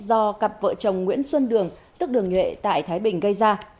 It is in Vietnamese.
do cặp vợ chồng nguyễn xuân đường tức đường nhuệ tại thái bình gây ra